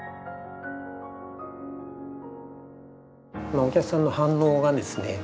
お客さんの反応がですね